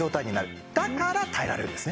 だから耐えられるんですね。